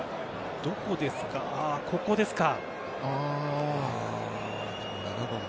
どうですか、ここですか。